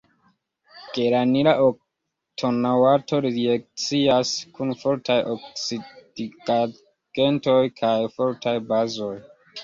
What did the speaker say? Geranila oktanoato reakcias kun fortaj oksidigagentoj kaj fortaj bazoj.